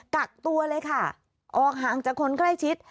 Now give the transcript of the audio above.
กักตัวเลยค่ะออกห่างจากคนใกล้ชิด